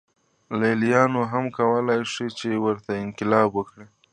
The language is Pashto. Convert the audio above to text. لېلیانو هم کولای شول چې ورته انقلاب وکړي